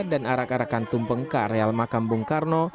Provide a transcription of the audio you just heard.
dan arak arakan tumpeng karealma kambung karno